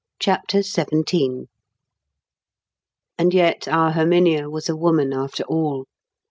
CHAPTER XVII And yet—our Herminia was a woman after all.